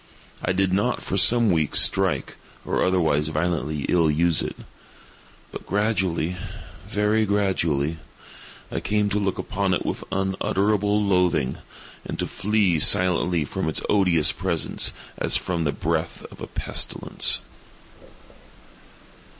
I did not, for some weeks, strike, or otherwise violently ill use it; but gradually—very gradually—I came to look upon it with unutterable loathing, and to flee silently from its odious presence, as from the breath of a pestilence.